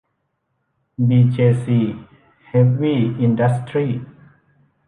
บีเจซี เฮฟวี่ อินดัสทรี